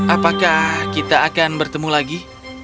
apakah kita akan bertemu lagi